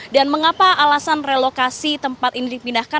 dan mengapa alasan relokasi tempat ini dipindahkan